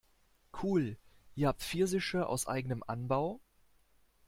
Cool, ihr habt Pfirsiche aus eigenem Anbau?